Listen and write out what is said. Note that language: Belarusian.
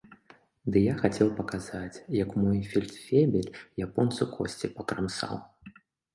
Ды я хацеў паказаць, як мой фельдфебель японцу косці пакрамсаў.